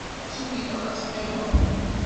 Meḥsub ilaq ad teqqimeḍ?